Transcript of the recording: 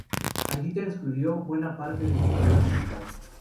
Allí transcurrió buena parte de su carrera musical.